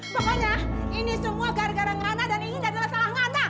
pokoknya ini semua gara gara ngana dan ini adalah salah ngana